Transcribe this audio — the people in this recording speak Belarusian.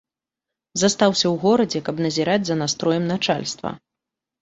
Застаўся ў горадзе, каб назіраць за настроем начальства.